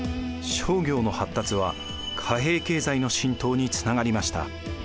商業の発達は貨幣経済の浸透につながりました。